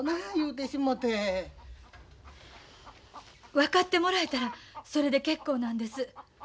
分かってもらえたらそれで結構なんです。